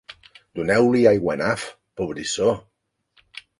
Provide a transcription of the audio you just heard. Doneu-li aiguanaf, pobrissó!